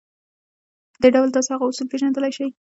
په دې ډول تاسې هغه اصول پېژندلای شئ.